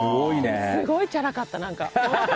すごいチャラかった、何か。